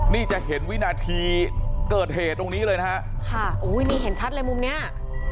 นี่จะเห็นวินาทีเกิดเหตุตรงนี้เลยนะฮะค่ะอุ้ยนี่เห็นชัดเลยมุมเนี้ย